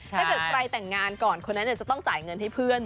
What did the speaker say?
ถ้าเกิดใครแต่งงานก่อนคนนั้นจะต้องจ่ายเงินให้เพื่อน